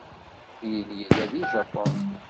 Bill yella deg Japun.